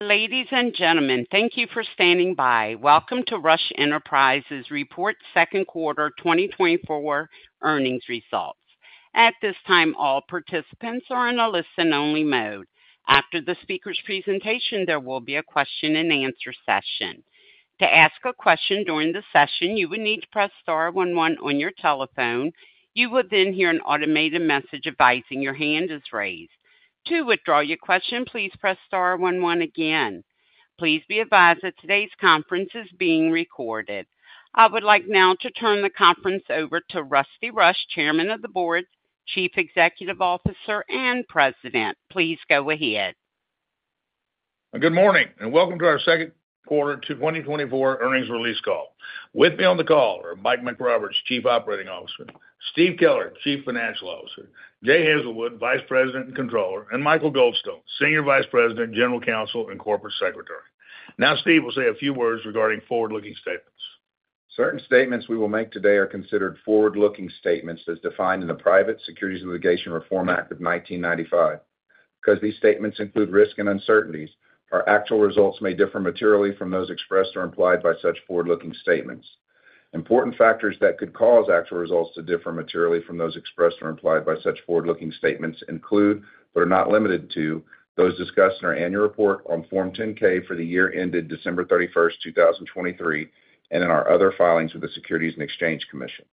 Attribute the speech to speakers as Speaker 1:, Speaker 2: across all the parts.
Speaker 1: Ladies and gentlemen, thank you for standing by. Welcome to Rush Enterprises' Second Quarter 2024 earnings results. At this time, all participants are in a listen-only mode. After the speaker's presentation, there will be a question-and-answer session. To ask a question during the session, you would need to press star one one on your telephone. You will then hear an automated message advising your hand is raised. To withdraw your question, please press star one one again. Please be advised that today's conference is being recorded. I would like now to turn the conference over to Rusty Rush, Chairman of the Board, Chief Executive Officer, and President. Please go ahead.
Speaker 2: Good morning and welcome to our Second Quarter 2024 earnings release call. With me on the call are Mike McRoberts, Chief Operating Officer, Steve Keller, Chief Financial Officer, Jay Hazelwood, Vice President and Controller, and Michael Goldstone, Senior Vice President, General Counsel, and Corporate Secretary. Now, Steve will say a few words regarding forward-looking statements.
Speaker 3: Certain statements we will make today are considered forward-looking statements as defined in the Private Securities Litigation Reform Act of 1995. Because these statements include risk and uncertainties, our actual results may differ materially from those expressed or implied by such forward-looking statements. Important factors that could cause actual results to differ materially from those expressed or implied by such forward-looking statements include, but are not limited to, those discussed in our annual report on Form 10-K for the year ended December 31, 2023, and in our other filings with the Securities and Exchange Commission.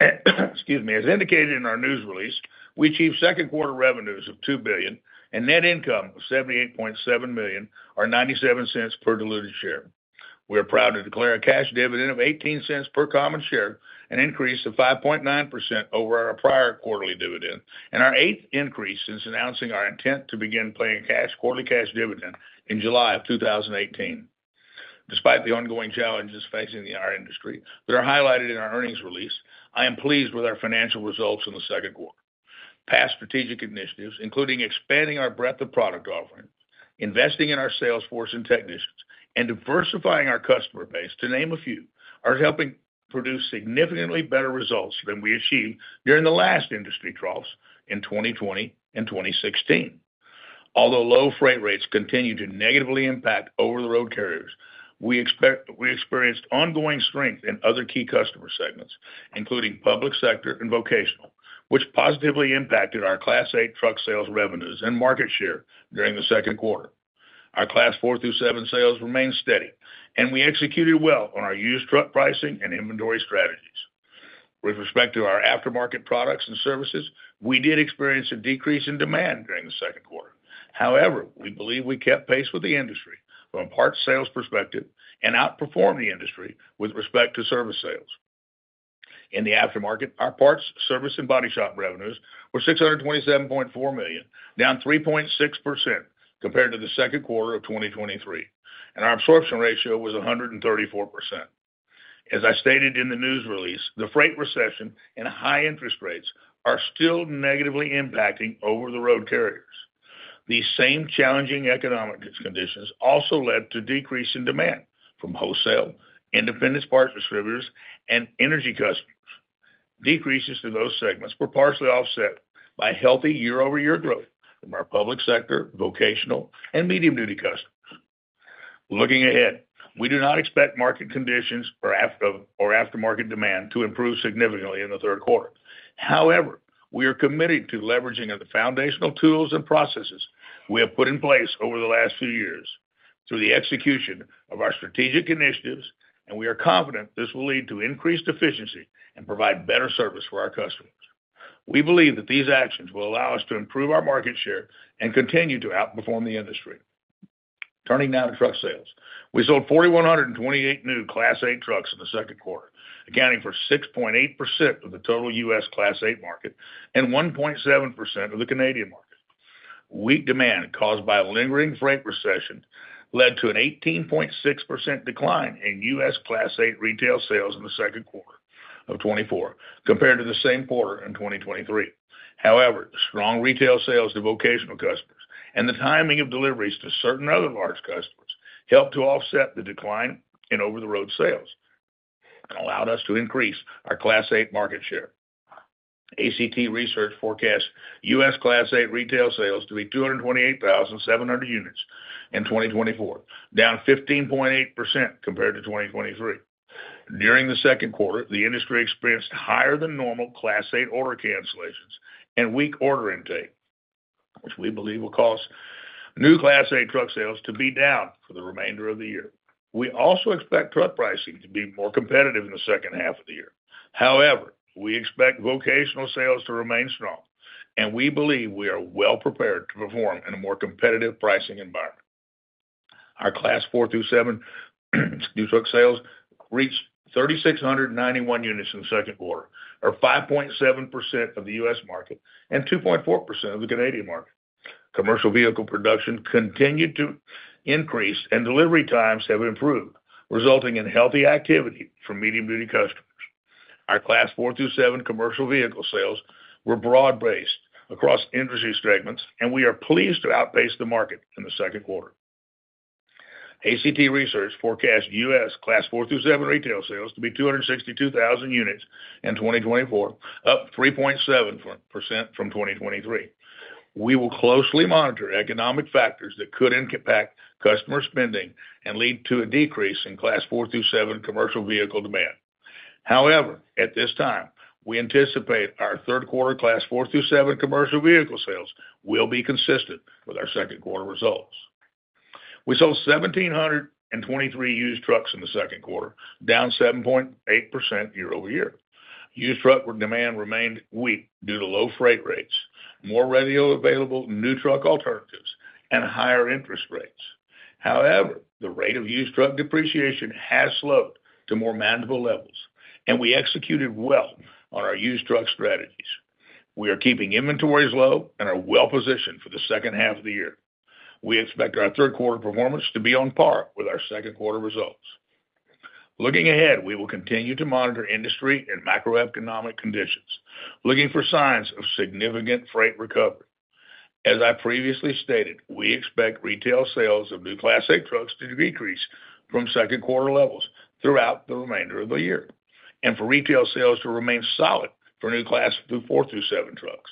Speaker 2: Excuse me. As indicated in our news release, we achieved second quarter revenues of $2 billion and net income of $78.7 million, or $0.97 per diluted share. We are proud to declare a cash dividend of $0.18 per common share, an increase of 5.9% over our prior quarterly dividend, and our eighth increase since announcing our intent to begin paying a quarterly cash dividend in July of 2018. Despite the ongoing challenges facing our industry, that are highlighted in our earnings release, I am pleased with our financial results in the second quarter. Past strategic initiatives, including expanding our breadth of product offerings, investing in our salesforce and technicians, and diversifying our customer base, to name a few, are helping produce significantly better results than we achieved during the last industry troughs in 2020 and 2016. Although low freight rates continue to negatively impact over-the-road carriers, we experienced ongoing strength in other key customer segments, including public sector and vocational, which positively impacted our Class 8 truck sales revenues and market share during the second quarter. Our Class 4 through 7 sales remained steady, and we executed well on our used truck pricing and inventory strategies. With respect to our aftermarket products and services, we did experience a decrease in demand during the second quarter. However, we believe we kept pace with the industry from a parts sales perspective and outperformed the industry with respect to service sales. In the aftermarket, our parts, service, and body shop revenues were $627.4 million, down 3.6% compared to the second quarter of 2023, and our absorption ratio was 134%. As I stated in the news release, the freight recession and high interest rates are still negatively impacting over-the-road carriers. These same challenging economic conditions also led to a decrease in demand from wholesale, independent parts distributors, and energy customers. Decreases to those segments were partially offset by healthy year-over-year growth from our public sector, vocational, and medium-duty customers. Looking ahead, we do not expect market conditions or aftermarket demand to improve significantly in the third quarter. However, we are committed to leveraging the foundational tools and processes we have put in place over the last few years through the execution of our strategic initiatives, and we are confident this will lead to increased efficiency and provide better service for our customers. We believe that these actions will allow us to improve our market share and continue to outperform the industry. Turning now to truck sales, we sold 4,128 new Class 8 trucks in the second quarter, accounting for 6.8% of the total U.S. Class 8 market and 1.7% of the Canadian market. Weak demand caused by a lingering freight recession led to an 18.6% decline in U.S. Class 8 retail sales in the second quarter of 2024 compared to the same quarter in 2023. However, the strong retail sales to vocational customers and the timing of deliveries to certain other large customers helped to offset the decline in over-the-road sales and allowed us to increase our Class 8 market share. ACT Research forecasts U.S. Class 8 retail sales to be 228,700 units in 2024, down 15.8% compared to 2023. During the second quarter, the industry experienced higher-than-normal Class 8 order cancellations and weak order intake, which we believe will cause new Class 8 truck sales to be down for the remainder of the year. We also expect truck pricing to be more competitive in the second half of the year. However, we expect vocational sales to remain strong, and we believe we are well-prepared to perform in a more competitive pricing environment. Our Class 4 through 7 new truck sales reached 3,691 units in the second quarter, or 5.7% of the U.S. market and 2.4% of the Canadian market. Commercial vehicle production continued to increase, and delivery times have improved, resulting in healthy activity for medium-duty customers. Our Class 4 through 7 commercial vehicle sales were broad-based across industry segments, and we are pleased to outpace the market in the second quarter. ACT Research forecasts U.S. Class 4 through 7 retail sales to be 262,000 units in 2024, up 3.7% from 2023. We will closely monitor economic factors that could impact customer spending and lead to a decrease in Class 4 through 7 commercial vehicle demand. However, at this time, we anticipate our third quarter Class 4 through 7 commercial vehicle sales will be consistent with our second quarter results. We sold 1,723 used trucks in the second quarter, down 7.8% year-over-year. Used truck demand remained weak due to low freight rates, more readily available new truck alternatives, and higher interest rates. However, the rate of used truck depreciation has slowed to more manageable levels, and we executed well on our used truck strategies. We are keeping inventories low and are well-positioned for the second half of the year. We expect our third quarter performance to be on par with our second quarter results. Looking ahead, we will continue to monitor industry and macroeconomic conditions, looking for signs of significant freight recovery. As I previously stated, we expect retail sales of new Class 8 trucks to decrease from second quarter levels throughout the remainder of the year, and for retail sales to remain solid for new Class 4 through 7 trucks.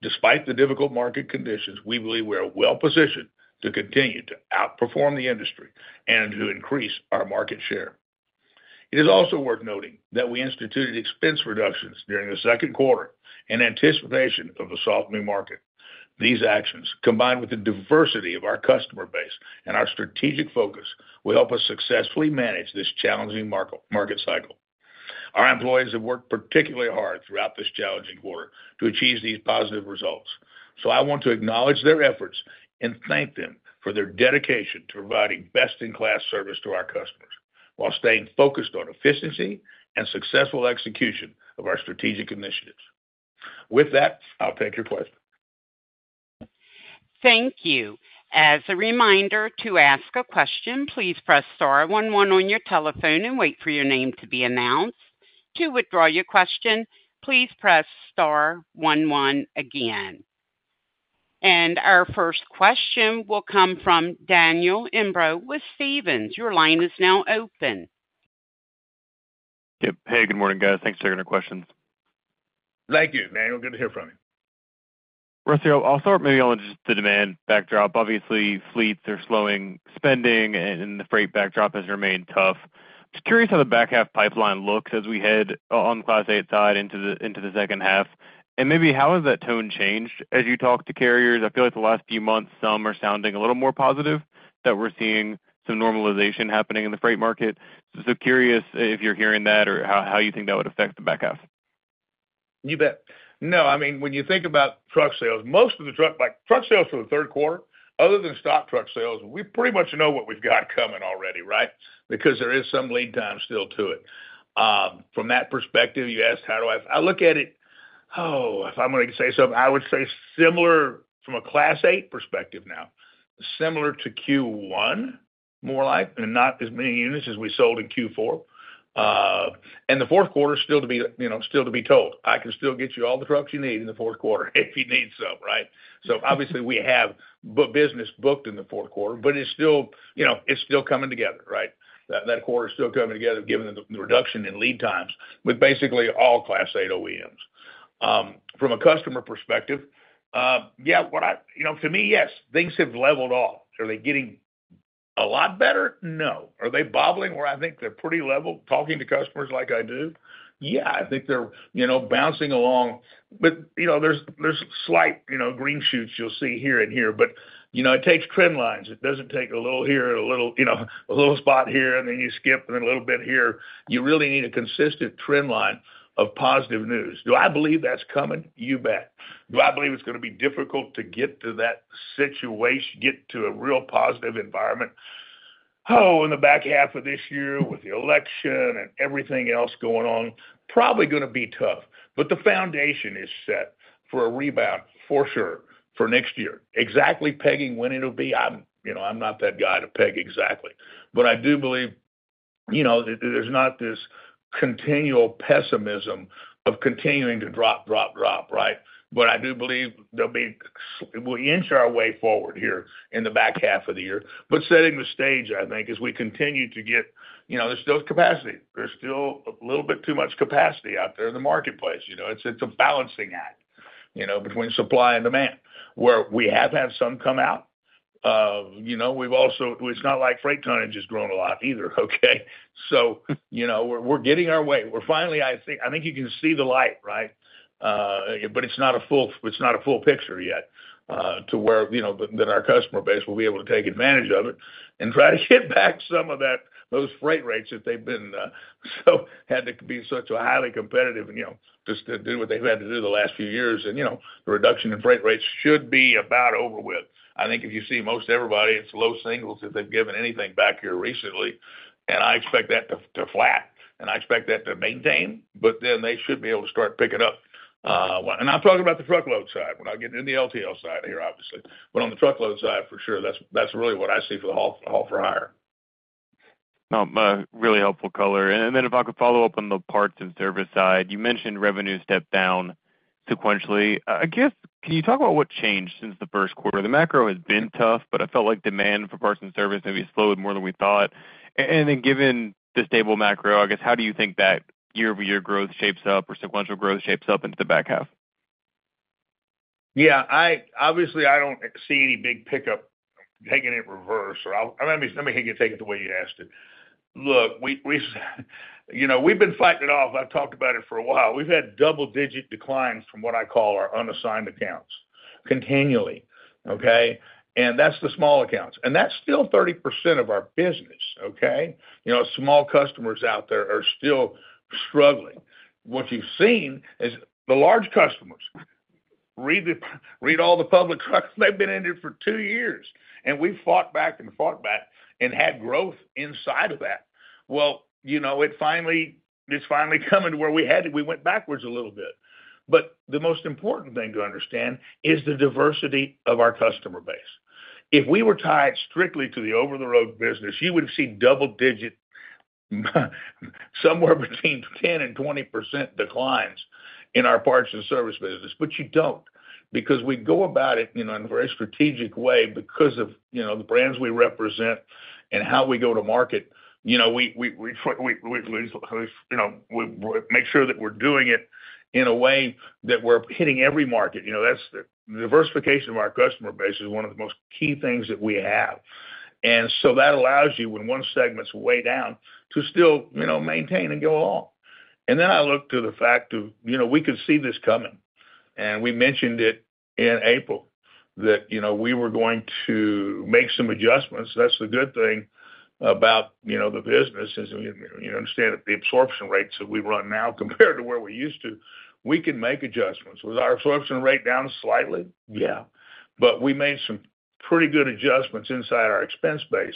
Speaker 2: Despite the difficult market conditions, we believe we are well-positioned to continue to outperform the industry and to increase our market share. It is also worth noting that we instituted expense reductions during the second quarter in anticipation of a softening market. These actions, combined with the diversity of our customer base and our strategic focus, will help us successfully manage this challenging market cycle. Our employees have worked particularly hard throughout this challenging quarter to achieve these positive results, so I want to acknowledge their efforts and thank them for their dedication to providing best-in-class service to our customers while staying focused on efficiency and successful execution of our strategic initiatives. With that, I'll take your question.
Speaker 1: Thank you. As a reminder to ask a question, please press star one one on your telephone and wait for your name to be announced. To withdraw your question, please press star one one again. Our first question will come from Daniel Imbro with Stephens. Your line is now open.
Speaker 4: Hey, good morning, guys. Thanks for taking our questions.
Speaker 2: Thank you, Daniel. Good to hear from you.
Speaker 4: Rusty, I'll start maybe on just the demand backdrop. Obviously, fleets are slowing spending, and the freight backdrop has remained tough. I'm just curious how the back-half pipeline looks as we head on the Class 8 side into the second half. And maybe how has that tone changed as you talk to carriers? I feel like the last few months, some are sounding a little more positive that we're seeing some normalization happening in the freight market. So curious if you're hearing that or how you think that would affect the back half?
Speaker 2: You bet. No, I mean, when you think about truck sales, most of the truck sales for the third quarter, other than stock truck sales, we pretty much know what we've got coming already, right? Because there is some lead time still to it. From that perspective, you asked how do I—I look at it, oh, if I'm going to say something, I would say similar from a Class 8 perspective now, similar to Q1, more like, and not as many units as we sold in Q4. And the fourth quarter is still to be told. I can still get you all the trucks you need in the fourth quarter if you need some, right? So obviously, we have business booked in the fourth quarter, but it's still coming together, right? That quarter is still coming together given the reduction in lead times with basically all Class 8 OEMs. From a customer perspective, yeah, to me, yes, things have leveled off. Are they getting a lot better? No. Are they bobbling where I think they're pretty level talking to customers like I do? Yeah, I think they're bouncing along, but there's slight green shoots you'll see here and here, but it takes trend lines. It doesn't take a little here and a little spot here, and then you skip, and then a little bit here. You really need a consistent trend line of positive news. Do I believe that's coming? You bet. Do I believe it's going to be difficult to get to that situation, get to a real positive environment? Oh, in the back half of this year with the election and everything else going on, probably going to be tough, but the foundation is set for a rebound for sure for next year. Exactly pegging when it'll be, I'm not that guy to peg exactly, but I do believe there's not this continual pessimism of continuing to drop, drop, drop, right? But I do believe we'll inch our way forward here in the back half of the year. But setting the stage, I think, as we continue to get, there's still capacity. There's still a little bit too much capacity out there in the marketplace. It's a balancing act between supply and demand, where we have had some come out. It's not like freight tonnage has grown a lot either, okay? So we're getting our way. Finally, I think you can see the light, right? But it's not a full picture yet to where our customer base will be able to take advantage of it and try to get back some of those freight rates that they've had to be so highly competitive just to do what they've had to do the last few years. The reduction in freight rates should be about over with. I think if you see most everybody, it's low singles that they've given anything back here recently, and I expect that to flat, and I expect that to maintain, but then they should be able to start picking up. I'm talking about the truckload side when I get into the LTL side here, obviously. But on the truckload side, for sure, that's really what I see for the haul for hire.
Speaker 4: No, really helpful color. And then if I could follow up on the parts and service side, you mentioned revenues stepped down sequentially. I guess, can you talk about what changed since the first quarter? The macro has been tough, but I felt like demand for parts and service maybe slowed more than we thought. And then given the stable macro, I guess, how do you think that year-over-year growth shapes up or sequential growth shapes up into the back half?
Speaker 2: Yeah, obviously, I don't see any big pickup taking it reverse. Or let me take it the way you asked it. Look, we've been fighting it off. I've talked about it for a while. We've had double-digit declines from what I call our unassigned accounts continually, okay? And that's the small accounts. And that's still 30% of our business, okay? Small customers out there are still struggling. What you've seen is the large customers read all the public trucks. They've been in it for two years, and we fought back and fought back and had growth inside of that. Well, it's finally coming to where we went backwards a little bit. But the most important thing to understand is the diversity of our customer base. If we were tied strictly to the over-the-road business, you would see double-digit somewhere between 10%-20% declines in our parts and service business, but you don't because we go about it in a very strategic way because of the brands we represent and how we go to market. We make sure that we're doing it in a way that we're hitting every market. Diversification of our customer base is one of the most key things that we have. And so that allows you, when one segment's way down, to still maintain and go along. And then I look to the fact of we could see this coming, and we mentioned it in April that we were going to make some adjustments. That's the good thing about the business is you understand that the absorption rates that we run now compared to where we used to, we can make adjustments. Was our absorption rate down slightly? Yeah. But we made some pretty good adjustments inside our expense base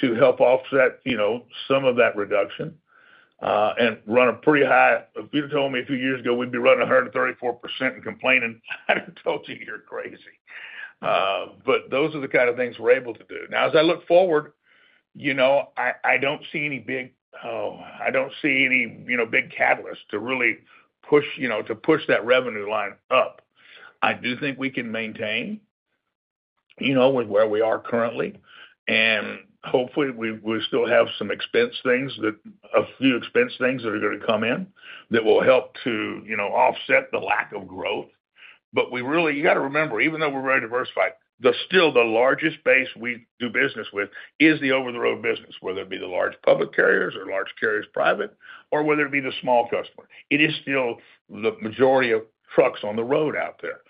Speaker 2: to help offset some of that reduction and run a pretty high, if you'd have told me a few years ago, we'd be running 134% and complaining, "I haven't told you you're crazy." But those are the kind of things we're able to do. Now, as I look forward, I don't see any big, oh, I don't see any big catalysts to really push that revenue line up. I do think we can maintain with where we are currently, and hopefully, we still have some expense things, a few expense things that are going to come in that will help to offset the lack of growth. But you got to remember, even though we're very diversified, still the largest base we do business with is the over-the-road business, whether it be the large public carriers or large carriers private, or whether it be the small customer. It is still the majority of trucks on the road out there.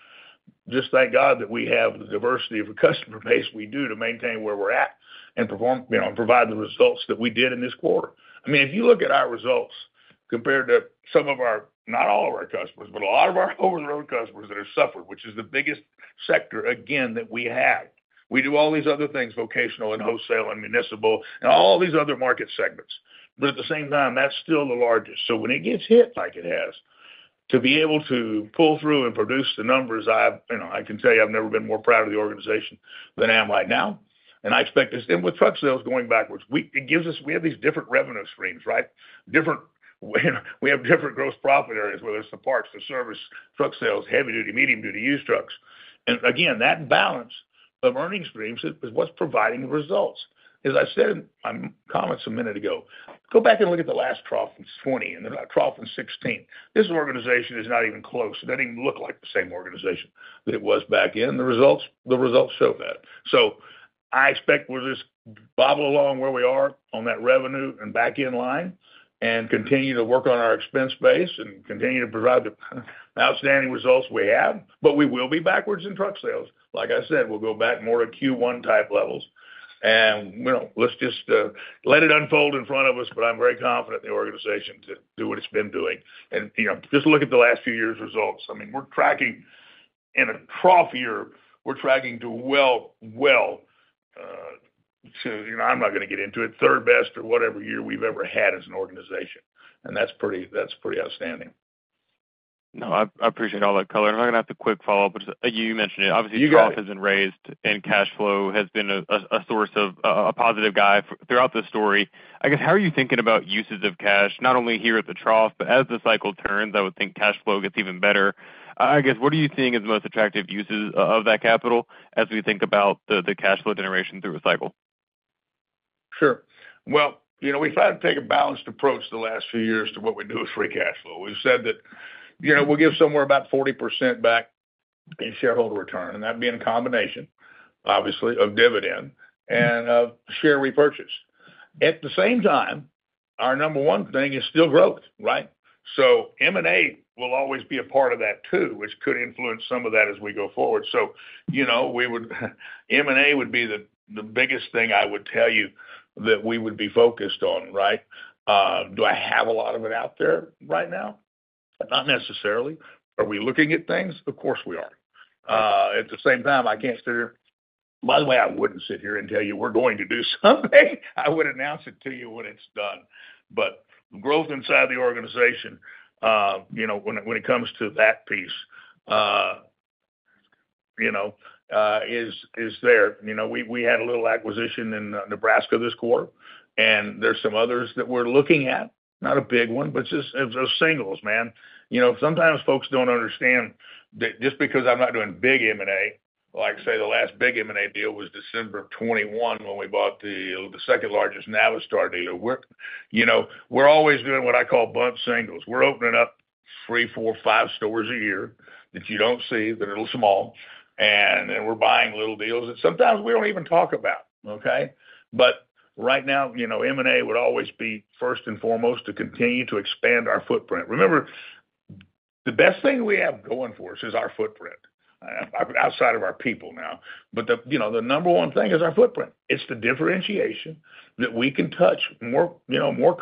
Speaker 2: Just thank God that we have the diversity of a customer base we do to maintain where we're at and provide the results that we did in this quarter. I mean, if you look at our results compared to some of our, not all of our customers, but a lot of our over-the-road customers that have suffered, which is the biggest sector, again, that we have. We do all these other things: vocational and wholesale and municipal and all these other market segments. But at the same time, that's still the largest. So when it gets hit like it has, to be able to pull through and produce the numbers, I can tell you I've never been more proud of the organization than I am right now. I expect this—and with truck sales going backwards, it gives us—we have these different revenue streams, right? We have different gross profit areas, whether it's the parts, the service, truck sales, heavy-duty, medium-duty, used trucks. Again, that balance of earning streams is what's providing the results. As I said in my comments a minute ago, go back and look at the last trough in 2020 and the trough in 2016. This organization is not even close. It doesn't even look like the same organization that it was back then. The results show that. So I expect we'll just bobble along where we are on that revenue and back end line and continue to work on our expense base and continue to provide the outstanding results we have. But we will be backwards in truck sales. Like I said, we'll go back more to Q1-type levels. And let's just let it unfold in front of us, but I'm very confident in the organization to do what it's been doing. And just look at the last few years' results. I mean, we're tracking in a trough year. We're tracking to well, well. I'm not going to get into it. Third best or whatever year we've ever had as an organization. And that's pretty outstanding.
Speaker 4: No, I appreciate all that color. I'm going to have a quick follow up. You mentioned it. Obviously, trough has been raised, and cash flow has been a source of positive guidance throughout the story. I guess, how are you thinking about uses of cash, not only here at the trough, but as the cycle turns, I would think cash flow gets even better. I guess, what are you seeing as the most attractive uses of that capital as we think about the cash flow generation through a cycle?
Speaker 2: Sure. Well, we've tried to take a balanced approach the last few years to what we do with free cash flow. We've said that we'll give somewhere about 40% back in shareholder return, and that being a combination, obviously, of dividend and of share repurchase. At the same time, our number one thing is still growth, right? So M&A will always be a part of that too, which could influence some of that as we go forward. So M&A would be the biggest thing I would tell you that we would be focused on, right? Do I have a lot of it out there right now? Not necessarily. Are we looking at things? Of course we are. At the same time, I can't sit here. By the way, I wouldn't sit here and tell you we're going to do something. I would announce it to you when it's done. But growth inside the organization, when it comes to that piece, is there. We had a little acquisition in Nebraska this quarter, and there's some others that we're looking at. Not a big one, but just singles, man. Sometimes folks don't understand that just because I'm not doing big M&A, like say the last big M&A deal was December 2021 when we bought the second largest Navistar dealer. We're always doing what I call bump singles. We're opening up three, four, five stores a year that you don't see, that are a little small, and then we're buying little deals that sometimes we don't even talk about, okay? But right now, M&A would always be first and foremost to continue to expand our footprint. Remember, the best thing we have going for us is our footprint outside of our people now. But the number one thing is our footprint. It's the differentiation that we can touch more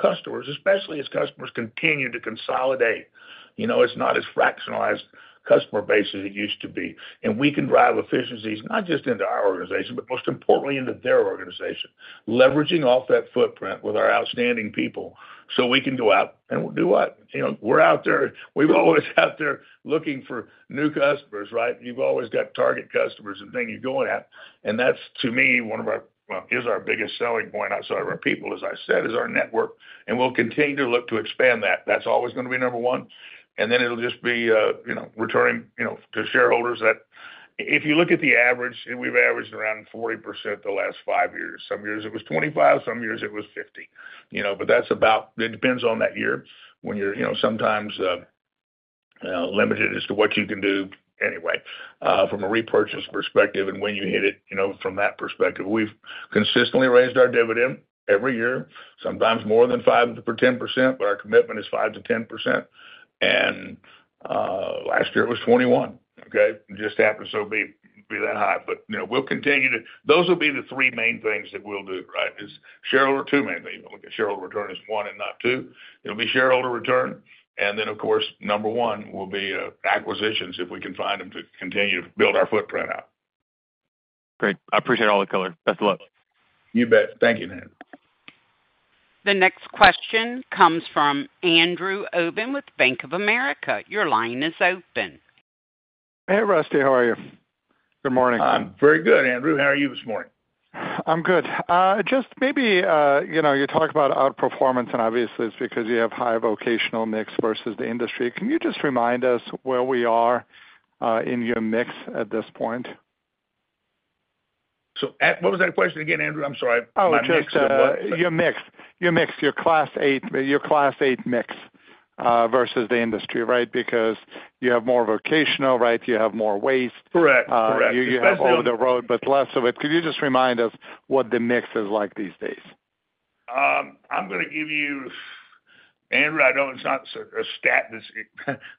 Speaker 2: customers, especially as customers continue to consolidate. It's not as fragmented customer base as it used to be. We can drive efficiencies, not just into our organization, but most importantly, into their organization, leveraging off that footprint with our outstanding people so we can go out and do what? We're out there. We've always out there looking for new customers, right? You've always got target customers and things you're going at. That's, to me, one of our, well, is our biggest selling point outside of our people, as I said, is our network. We'll continue to look to expand that. That's always going to be number one. Then it'll just be returning to shareholders that if you look at the average, we've averaged around 40% the last five years. Some years it was 25%, some years it was 50%. But that's about, it depends on that year when you're sometimes limited as to what you can do anyway from a repurchase perspective and when you hit it from that perspective. We've consistently raised our dividend every year, sometimes more than 5%-10%, but our commitment is 5%-10%. And last year it was 21%, okay? It just happened to be that high. But we'll continue to, those will be the three main things that we'll do, right? Shareholder two main things. Shareholder return is one and not two. It'll be shareholder return. And then, of course, number one will be acquisitions if we can find them to continue to build our footprint out.
Speaker 4: Great. I appreciate all the color. Best of luck.
Speaker 2: You bet. Thank you, Dan.
Speaker 1: The next question comes from Andrew Obin with Bank of America. Your line is open.
Speaker 5: Hey, Rusty. How are you? Good morning.
Speaker 2: I'm very good, Andrew. How are you this morning?
Speaker 5: I'm good. Just maybe you talk about outperformance, and obviously, it's because you have high vocational mix versus the industry. Can you just remind us where we are in your mix at this point?
Speaker 2: What was that question again, Andrew? I'm sorry.
Speaker 5: Oh, mix of what? Your mix. Your mix. Your Class 8 mix versus the industry, right? Because you have more vocational, right? You have more waste.
Speaker 2: Correct. Correct. That's right.
Speaker 5: You have over-the-road, but less of it. Could you just remind us what the mix is like these days?
Speaker 2: I'm going to give you, Andrew, I know it's not a stat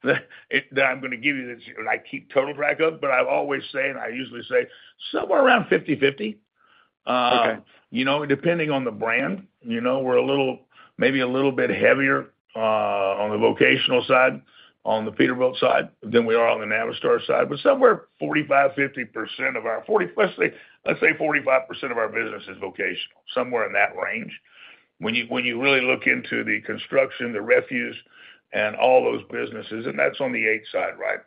Speaker 2: that I'm going to give you that I keep total track of, but I always say, and I usually say, somewhere around 50/50, depending on the brand. We're maybe a little bit heavier on the vocational side, on the Peterbilt side, than we are on the Navistar side. But somewhere 45%-50% of our, let's say 45% of our business is vocational, somewhere in that range. When you really look into the construction, the refuse, and all those businesses, and that's on the 8 side, right?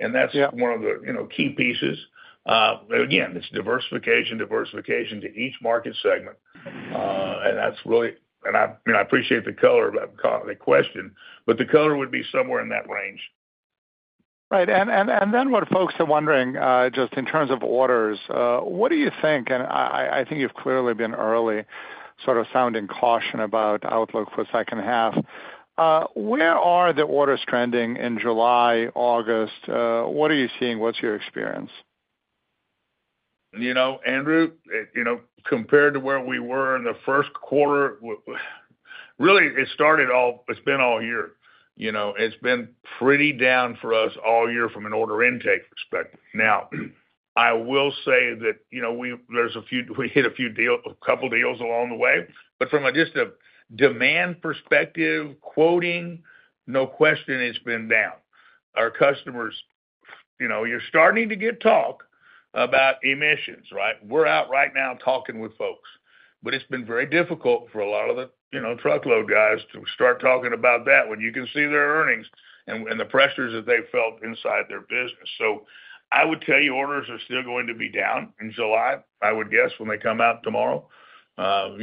Speaker 2: And that's one of the key pieces. Again, it's diversification, diversification to each market segment. And that's really, and I appreciate the color of the question, but the color would be somewhere in that range.
Speaker 5: Right. And then what folks are wondering, just in terms of orders, what do you think? And I think you've clearly been early, sort of sounding caution about outlook for the second half. Where are the orders trending in July, August? What are you seeing? What's your experience?
Speaker 2: Andrew, compared to where we were in the first quarter, really, it's been all year. It's been pretty down for us all year from an order intake perspective. Now, I will say that there's a few, we hit a couple of deals along the way. But from a just a demand perspective, quoting, no question, it's been down. Our customers, you're starting to get talk about emissions, right? We're out right now talking with folks. But it's been very difficult for a lot of the truckload guys to start talking about that when you can see their earnings and the pressures that they've felt inside their business. So I would tell you orders are still going to be down in July, I would guess, when they come out tomorrow. Last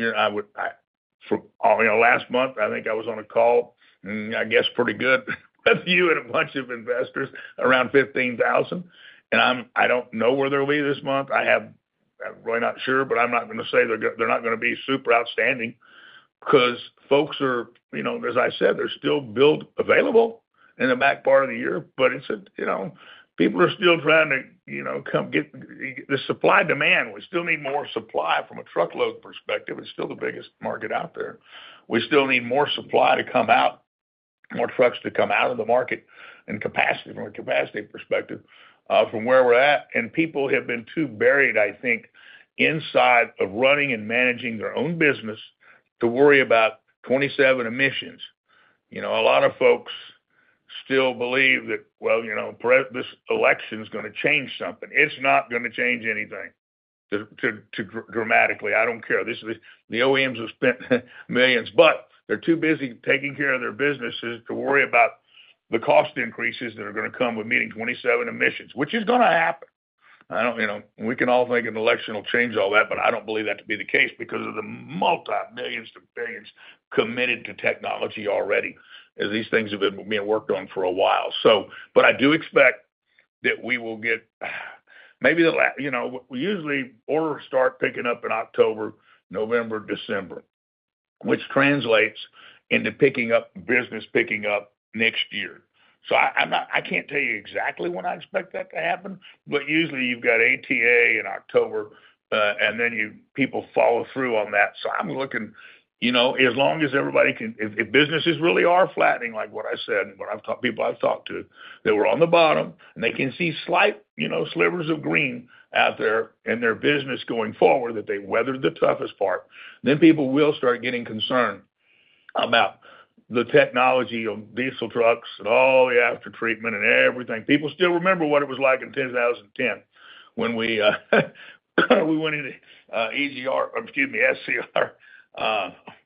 Speaker 2: month, I think I was on a call, I guess, pretty good with you and a bunch of investors, around 15,000. And I don't know where they'll be this month. I'm really not sure, but I'm not going to say they're not going to be super outstanding because folks are, as I said, there's still build available in the back part of the year, but people are still trying to come get the supply demand. We still need more supply from a truckload perspective. It's still the biggest market out there. We still need more supply to come out, more trucks to come out of the market and capacity from a capacity perspective from where we're at. People have been too buried, I think, inside of running and managing their own business to worry about 2027 emissions. A lot of folks still believe that, well, this election is going to change something. It's not going to change anything dramatically. I don't care. The OEMs have spent millions, but they're too busy taking care of their businesses to worry about the cost increases that are going to come with meeting 2027 emissions, which is going to happen. We can all think an election will change all that, but I don't believe that to be the case because of the multimillions to billions committed to technology already as these things have been being worked on for a while. But I do expect that we will get maybe—we usually orders start picking up in October, November, December, which translates into business picking up next year. So I can't tell you exactly when I expect that to happen, but usually you've got ATA in October, and then people follow through on that. So I'm looking as long as everybody can—if businesses really are flattening, like what I said and what I've talked to people I've talked to that were on the bottom, and they can see slight slivers of green out there in their business going forward that they weathered the toughest part, then people will start getting concerned about the technology on diesel trucks and all the aftertreatment and everything. People still remember what it was like in 2010 when we went into EGR, excuse me, SCR.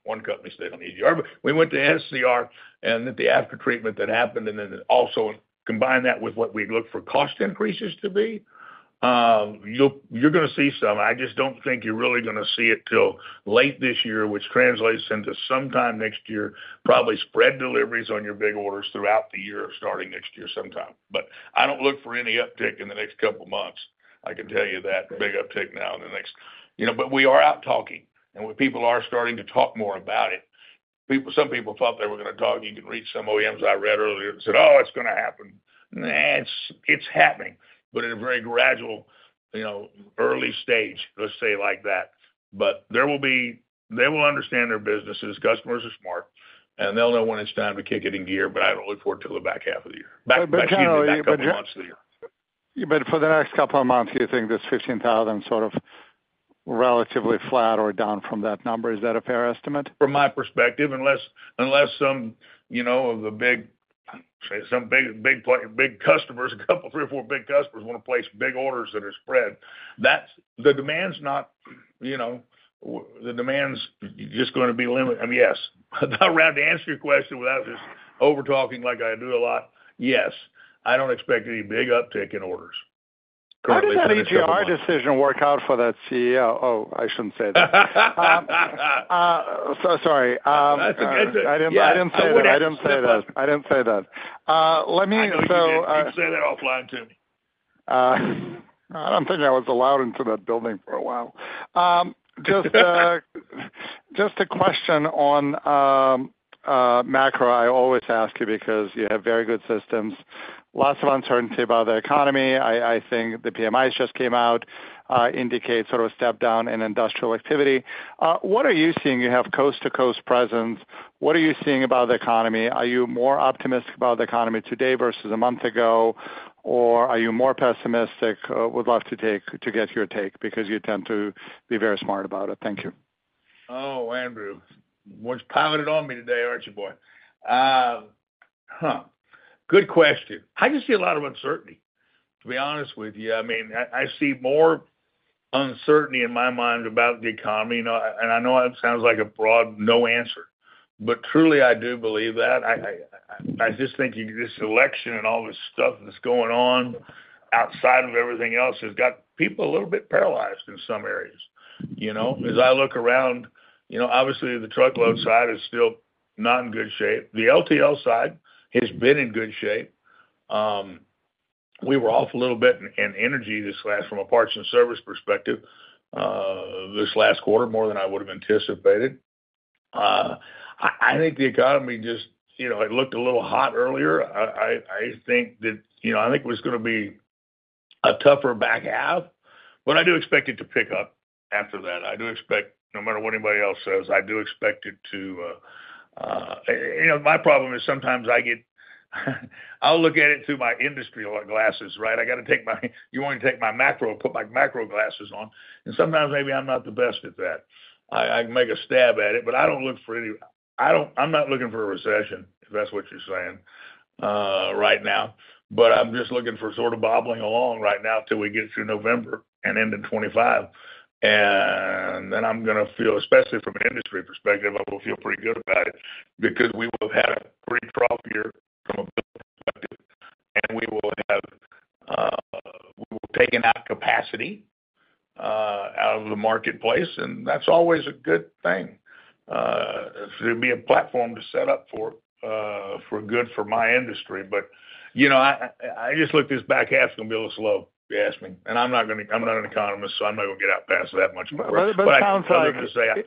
Speaker 2: One company stayed on EGR. But we went to SCR and the aftertreatment that happened and then also combined that with what we look for cost increases to be. You're going to see some. I just don't think you're really going to see it till late this year, which translates into sometime next year, probably spread deliveries on your big orders throughout the year starting next year sometime. But I don't look for any uptick in the next couple of months. I can tell you that big uptick now in the next—but we are out talking, and people are starting to talk more about it. Some people thought they were going to talk. You can read some OEMs I read earlier that said, "Oh, it's going to happen." It's happening, but at a very gradual, early stage, let's say it like that. But they will understand their businesses. Customers are smart, and they'll know when it's time to kick it in gear, but I don't look forward to the back half of the year. Back half of the year.
Speaker 5: But for the next couple of months, do you think this 15,000 is sort of relatively flat or down from that number? Is that a fair estimate?
Speaker 2: From my perspective, unless some of the big customers, a couple, three or four big customers want to place big orders that are spread, the demand's not just going to be limited. Yes. About right to answer your question without just overtalking like I do a lot, yes. I don't expect any big uptick in orders.
Speaker 5: How does that EGR decision work out for that CEO? Oh, I shouldn't say that. Sorry. I didn't say that. I didn't say that. I didn't say that. Let me—
Speaker 2: I know you didn't say that offline to me.
Speaker 5: I don't think I was allowed into that building for a while. Just a question on macro. I always ask you because you have very good systems. Lots of uncertainty about the economy. I think the PMIs just came out, indicate sort of a step down in industrial activity. What are you seeing? You have coast-to-coast presence. What are you seeing about the economy? Are you more optimistic about the economy today versus a month ago, or are you more pessimistic? Would love to get your take because you tend to be very smart about it. Thank you.
Speaker 2: Oh, Andrew. Well, it's piled on me today, aren't you, boy? Good question. I just see a lot of uncertainty, to be honest with you. I mean, I see more uncertainty in my mind about the economy. And I know it sounds like a broad no answer, but truly, I do believe that. I just think this election and all this stuff that's going on outside of everything else has got people a little bit paralyzed in some areas. As I look around, obviously, the truckload side is still not in good shape. The LTL side has been in good shape. We were off a little bit in energy this last from a parts and service perspective this last quarter, more than I would have anticipated. I think the economy just looked a little hot earlier. I think that I think it was going to be a tougher back half, but I do expect it to pick up after that. I do expect, no matter what anybody else says, I do expect it to. My problem is sometimes I get. I'll look at it through my industry glasses, right? I got to take my. You want me to take my macro, put my macro glasses on. And sometimes maybe I'm not the best at that. I can make a stab at it, but I don't look for any. I'm not looking for a recession, if that's what you're saying right now. But I'm just looking for sort of bobbling along right now till we get through November and into 2025. Then I'm going to feel, especially from an industry perspective, I will feel pretty good about it because we will have had a pretty trough year from a building perspective, and we will have taken out capacity out of the marketplace. That's always a good thing. There'll be a platform to set up for good for my industry. But I just look at this back half, it's going to be a little slow, if you ask me. I'm not an economist, so I'm not going to get out past that much.
Speaker 5: But it sounds like.
Speaker 2: I'm just going to say.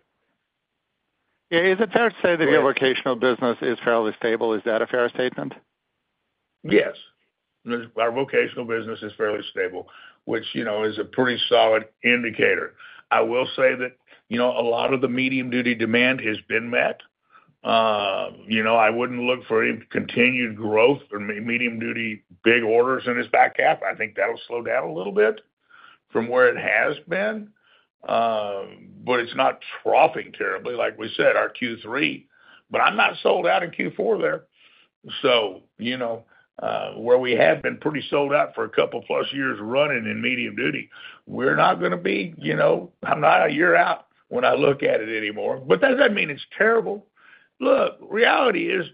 Speaker 5: Yeah. Is it fair to say that your vocational business is fairly stable? Is that a fair statement?
Speaker 2: Yes. Our vocational business is fairly stable, which is a pretty solid indicator. I will say that a lot of the medium-duty demand has been met. I wouldn't look for any continued growth or medium-duty big orders in this back half. I think that'll slow down a little bit from where it has been. But it's not troughing terribly, like we said, our Q3. But I'm not sold out in Q4 there. So where we have been pretty sold out for a couple plus years running in medium-duty, we're not going to be. I'm not a year out when I look at it anymore. But does that mean it's terrible? Look, reality is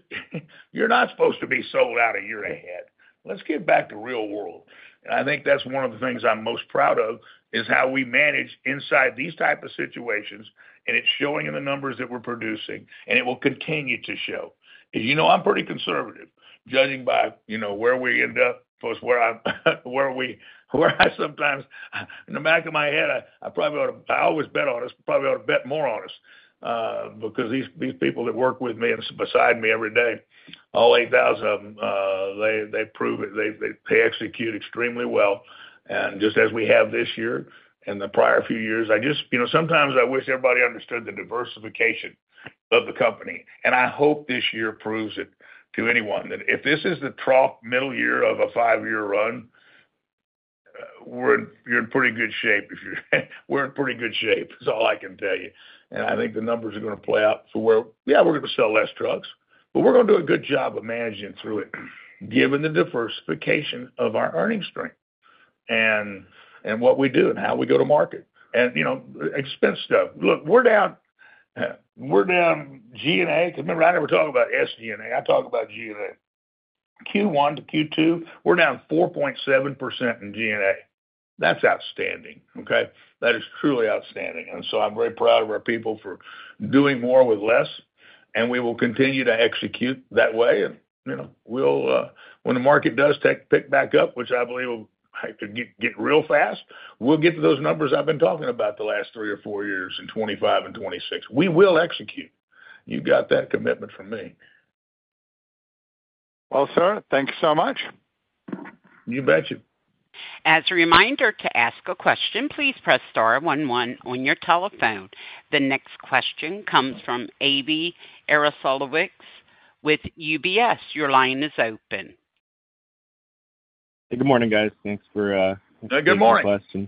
Speaker 2: you're not supposed to be sold out a year ahead. Let's get back to real world. And I think that's one of the things I'm most proud of is how we manage inside these types of situations, and it's showing in the numbers that we're producing, and it will continue to show. And I'm pretty conservative, judging by where we end up versus where I sometimes—in the back of my head, I probably ought to—I always bet on us, probably ought to bet more on us because these people that work with me and beside me every day, all 8,000 of them, they prove it. They execute extremely well. And just as we have this year and the prior few years, I just—sometimes I wish everybody understood the diversification of the company. And I hope this year proves it to anyone that if this is the trough middle year of a five-year run, you're in pretty good shape. We're in pretty good shape. That's all I can tell you. And I think the numbers are going to play out to where, yeah, we're going to sell less trucks, but we're going to do a good job of managing through it, given the diversification of our earnings strength and what we do and how we go to market. And expense stuff. Look, we're down G&A because remember, I never talk about SG&A. I talk about G&A. Q1 to Q2, we're down 4.7% in G&A. That's outstanding, okay? That is truly outstanding. And so I'm very proud of our people for doing more with less, and we will continue to execute that way. And when the market does pick back up, which I believe will get real fast, we'll get to those numbers I've been talking about the last three or four years in 2025 and 2026. We will execute. You got that commitment from me.
Speaker 5: Well, sir, thank you so much.
Speaker 2: You bet you.
Speaker 1: As a reminder, to ask a question, please press star one one on your telephone. The next question comes from Avi Jaroslawicz with UBS. Your line is open.
Speaker 6: Hey, good morning, guys. Thanks for.
Speaker 2: Good morning.
Speaker 6: Asking the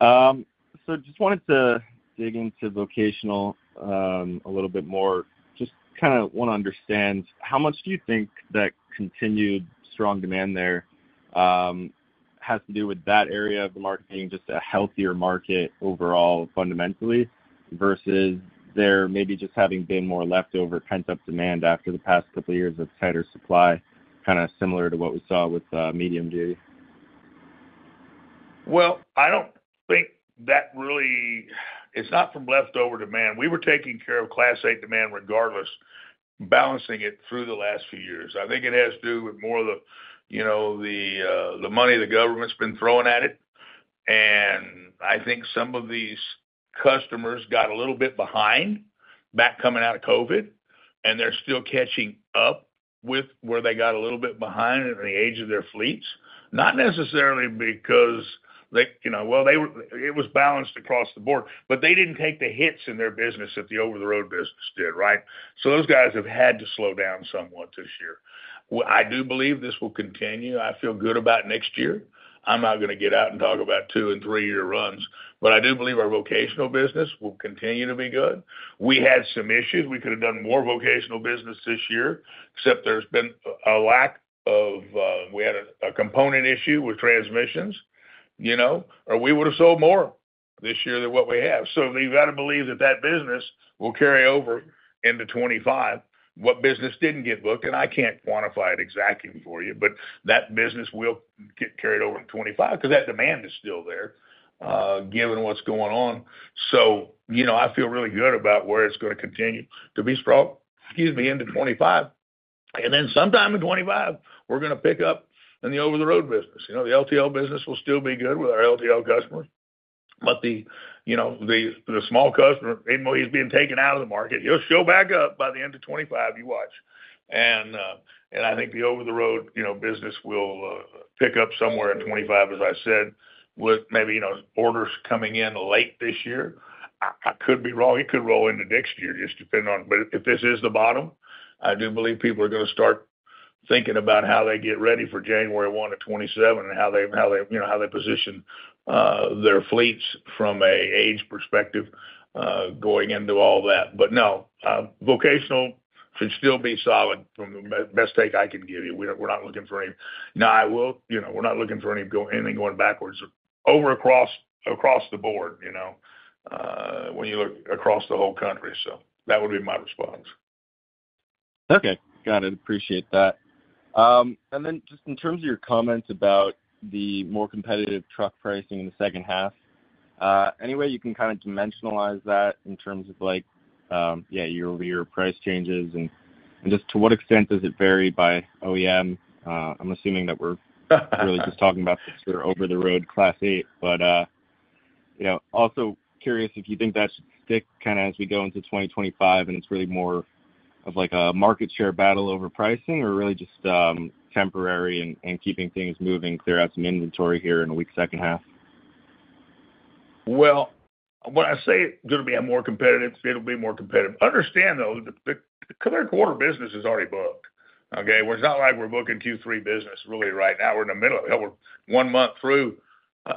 Speaker 6: question. So just wanted to dig into vocational a little bit more. Just kind of want to understand how much do you think that continued strong demand there has to do with that area of the market being just a healthier market overall fundamentally versus there maybe just having been more leftover pent-up demand after the past couple of years of tighter supply, kind of similar to what we saw with medium-duty?
Speaker 2: Well, I don't think that really. It's not from leftover demand. We were taking care of Class 8 demand regardless, balancing it through the last few years. I think it has to do with more of the money the government's been throwing at it. And I think some of these customers got a little bit behind back coming out of COVID, and they're still catching up with where they got a little bit behind in the age of their fleets. Not necessarily because, well, it was balanced across the board, but they didn't take the hits in their business that the over-the-road business did, right? So those guys have had to slow down somewhat this year. I do believe this will continue. I feel good about next year. I'm not going to get out and talk about 2- and 3-year runs, but I do believe our vocational business will continue to be good. We had some issues. We could have done more vocational business this year, except there's been a lack of—we had a component issue with transmissions, or we would have sold more this year than what we have. So you've got to believe that that business will carry over into 2025. What business didn't get booked? And I can't quantify it exactly for you, but that business will get carried over in 2025 because that demand is still there, given what's going on. So I feel really good about where it's going to continue to be strong, excuse me, into 2025. And then sometime in 2025, we're going to pick up in the over-the-road business. The LTL business will still be good with our LTL customers, but the small customer, even though he's being taken out of the market, he'll show back up by the end of 2025, you watch. And I think the over-the-road business will pick up somewhere in 2025, as I said, with maybe orders coming in late this year. I could be wrong. It could roll into next year, just depending on, but if this is the bottom, I do believe people are going to start thinking about how they get ready for January 1 of 2027 and how they position their fleets from an age perspective going into all that. But no, vocational should still be solid from the best take I can give you. We're not looking for any, we're not looking for anything going backwards over across the board when you look across the whole country. So that would be my response.
Speaker 6: Okay. Got it. Appreciate that. And then just in terms of your comments about the more competitive truck pricing in the second half, any way you can kind of dimensionalize that in terms of, yeah, your price changes and just to what extent does it vary by OEM? I'm assuming that we're really just talking about the sort of over-the-road Class 8, but also curious if you think that should stick kind of as we go into 2025 and it's really more of a market share battle over pricing or really just temporary and keeping things moving throughout some inventory here in a weak second half?
Speaker 2: Well, when I say it's going to be more competitive, it'll be more competitive. Understand, though, the third quarter business is already booked, okay? Well, it's not like we're booking Q3 business really right now. We're in the middle of, hell, we're 1 month through a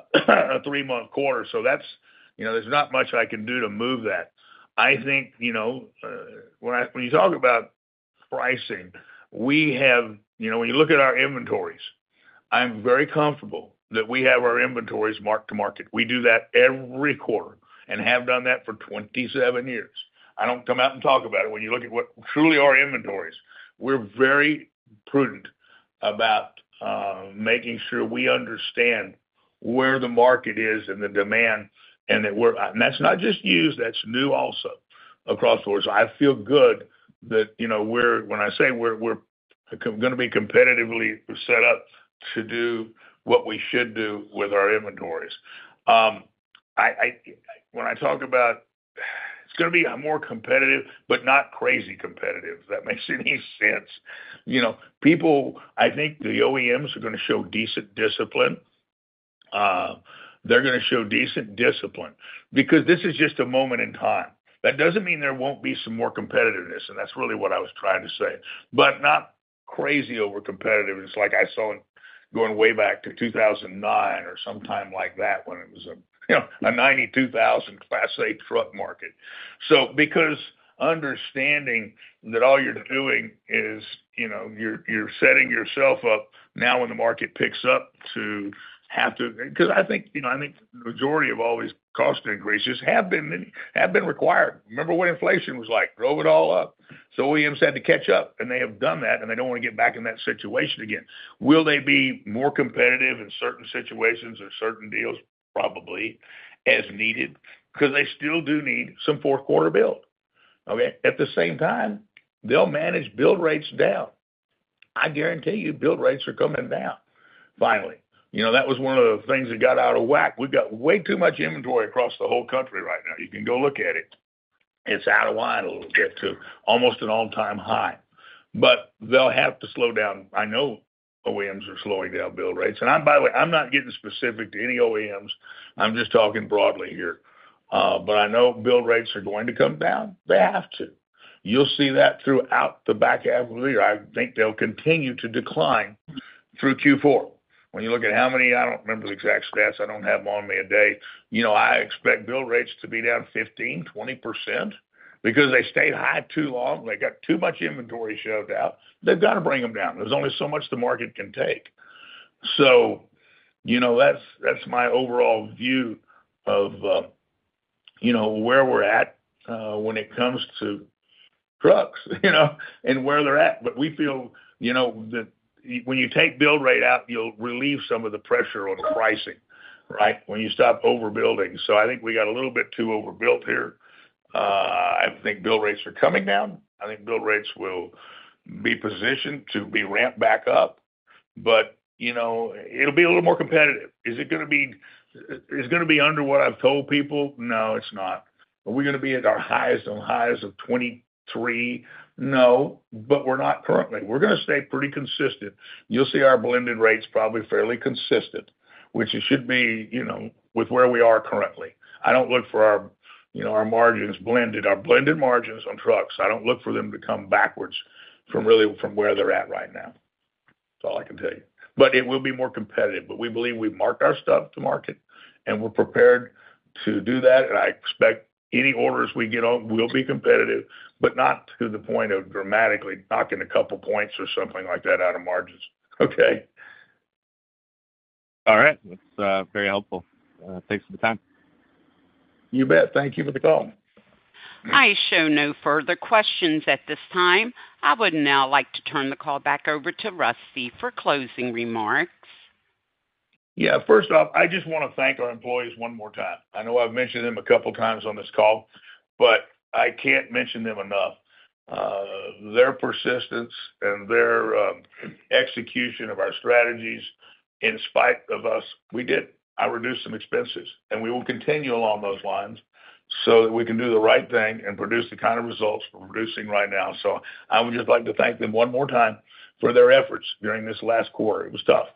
Speaker 2: 3-month quarter. So there's not much I can do to move that. I think when you talk about pricing, we have, when you look at our inventories, I'm very comfortable that we have our inventories marked to market. We do that every quarter and have done that for 27 years. I don't come out and talk about it. When you look at what truly are inventories, we're very prudent about making sure we understand where the market is and the demand and that we're, and that's not just used, that's new also across the board. So I feel good that when I say we're going to be competitively set up to do what we should do with our inventories, when I talk about it's going to be more competitive, but not crazy competitive, if that makes any sense. People, I think the OEMs are going to show decent discipline. They're going to show decent discipline because this is just a moment in time. That doesn't mean there won't be some more competitiveness, and that's really what I was trying to say, but not crazy over competitiveness like I saw going way back to 2009 or sometime like that when it was a 92,000 class A truck market. So because understanding that all you're doing is you're setting yourself up now when the market picks up to have to, because I think the majority of all these cost increases have been required. Remember what inflation was like? Drove it all up. So OEMs had to catch up, and they have done that, and they don't want to get back in that situation again. Will they be more competitive in certain situations or certain deals? Probably, as needed, because they still do need some fourth quarter build. Okay? At the same time, they'll manage build rates down. I guarantee you build rates are coming down. Finally, that was one of the things that got out of whack. We've got way too much inventory across the whole country right now. You can go look at it. It's out of line a little bit to almost an all-time high, but they'll have to slow down. I know OEMs are slowing down build rates. And by the way, I'm not getting specific to any OEMs. I'm just talking broadly here. But I know build rates are going to come down. They have to. You'll see that throughout the back half of the year. I think they'll continue to decline through Q4. When you look at how many—I don't remember the exact stats. I don't have them on me today. I expect build rates to be down 15%-20% because they stayed high too long. They got too much inventory showed out. They've got to bring them down. There's only so much the market can take. So that's my overall view of where we're at when it comes to trucks and where they're at. But we feel that when you take build rate out, you'll relieve some of the pressure on pricing, right, when you stop overbuilding. So I think we got a little bit too overbuilt here. I think build rates are coming down. I think build rates will be positioned to be ramped back up, but it'll be a little more competitive. Is it going to be, is it going to be under what I've told people? No, it's not. Are we going to be at our highest on the highest of 2023? No, but we're not currently. We're going to stay pretty consistent. You'll see our blended rates probably fairly consistent, which should be with where we are currently. I don't look for our margins blended. Our blended margins on trucks, I don't look for them to come backwards from really from where they're at right now. That's all I can tell you. But it will be more competitive, but we believe we've marked our stuff to market, and we're prepared to do that. I expect any orders we get on will be competitive, but not to the point of dramatically knocking a couple points or something like that out of margins, okay?
Speaker 6: All right. That's very helpful. Thanks for the time.
Speaker 2: You bet. Thank you for the call.
Speaker 1: I show no further questions at this time. I would now like to turn the call back over to Rusty for closing remarks.
Speaker 2: Yeah. First off, I just want to thank our employees one more time. I know I've mentioned them a couple of times on this call, but I can't mention them enough. Their persistence and their execution of our strategies in spite of us. We did. I reduced some expenses, and we will continue along those lines so that we can do the right thing and produce the kind of results we're producing right now. So I would just like to thank them one more time for their efforts during this last quarter. It was tough,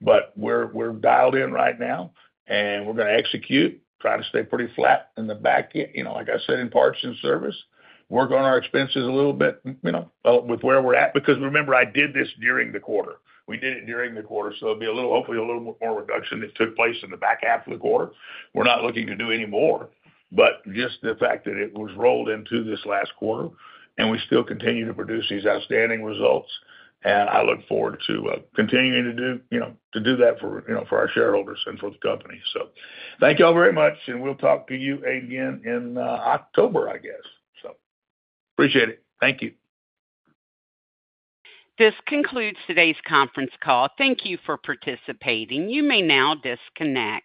Speaker 2: but we're dialed in right now, and we're going to execute, try to stay pretty flat in the back end. Like I said, in parts and service, work on our expenses a little bit with where we're at because remember, I did this during the quarter. We did it during the quarter, so it'll be a little, hopefully, a little more reduction that took place in the back half of the quarter. We're not looking to do any more, but just the fact that it was rolled into this last quarter, and we still continue to produce these outstanding results. I look forward to continuing to do that for our shareholders and for the company. So thank y'all very much, and we'll talk to you again in October, I guess. Appreciate it. Thank you.
Speaker 1: This concludes today's conference call. Thank you for participating. You may now disconnect.